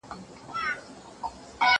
زه اوږده وخت مېوې وچوم وم!؟